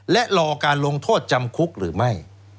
และรอการลงโทษจำคุกหรือไม่